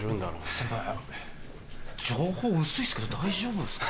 先輩情報薄いですけど大丈夫ですか？